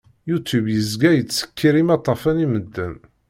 Youtube yezga yettsekkiṛ imaṭṭafen i medden.